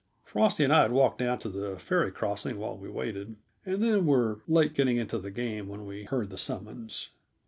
Frosty and I had walked down to the ferry crossing while we waited, and then were late getting into the game when we heard the summons.